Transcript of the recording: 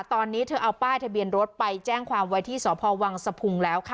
ตอนนี้เธอเอาป้ายทะเบียนรถไปแจ้งความไว้ที่สพวังสะพุงแล้วค่ะ